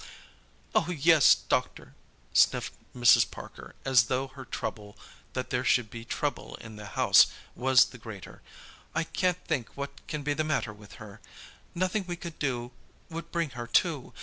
"Oh, yes, doctor," sniffed Mrs. Parker, as though her trouble that there should be trouble in the house was the greater. "I can't think what can be the matter with her. Nothing we could do would bring her to.